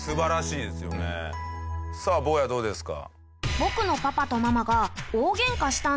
さあ坊やどうですか？